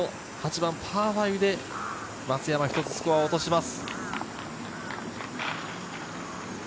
パー５で松山、１つスコアを落とします。